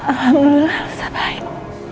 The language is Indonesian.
alhamdulillah elsa baik